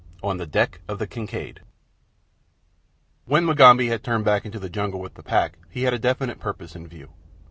On the Deck of the "Kincaid" When Mugambi had turned back into the jungle with the pack he had a definite purpose in view.